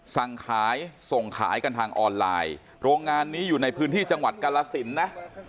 สั่งขายส่งขายกันทางออนไลน์โรงงานนี้อยู่ในพื้นที่จังหวัดกาลสินนะ